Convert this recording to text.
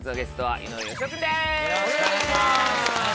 よろしくお願いします。